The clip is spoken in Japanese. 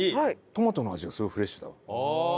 トマトの味がすごいフレッシュだわ。